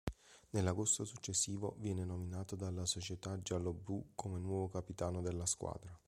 Nell'agosto successivo, viene nominato dalla società giallo-blù come nuovo capitano della squadra.